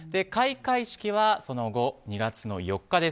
開会式はその後２月４日。